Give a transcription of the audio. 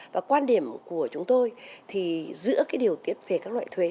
và quan điểm của chúng tôi thì giữa cái điều tiết về các loại thuế